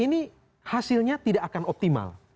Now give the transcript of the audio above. ini hasilnya tidak akan optimal